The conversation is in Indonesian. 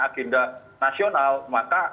agenda nasional maka